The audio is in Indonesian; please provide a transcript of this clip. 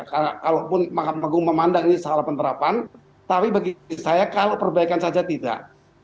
kalaupun makam magung memandang ini salah penerapan tapi bagi saya kalau perbaikan saja tidak